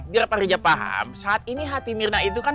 biar pak geja paham saat ini hati mirna itu kan